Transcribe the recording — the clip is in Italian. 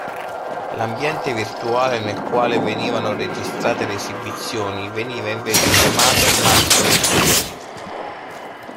L'ambiente virtuale nel quale venivano registrate le esibizioni veniva invece chiamato "Magic Studio".